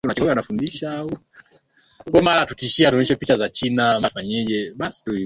anatakiwa kutumia vidonge vilivyopendekezwa na mtaalamu wa afya